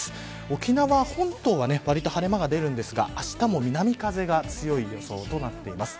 沖縄本島はわりと晴れ間が出るんですがあしたも南風が強い予想となっています。